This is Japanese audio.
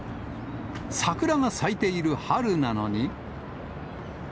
桜が咲いている春なのに。